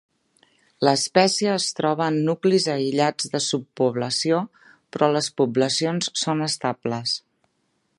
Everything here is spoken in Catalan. L'espècie es troba en nuclis aïllats de subpoblació però les poblacions són estables.